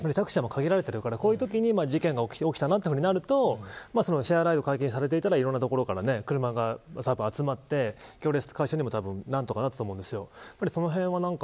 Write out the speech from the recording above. タクシーは限られてるからこういうときに事故が起きたなというふうになるとシェアライドが解禁されていたらいろんな所から車がたぶん集まって行列解消にも何とかなったと思うんです。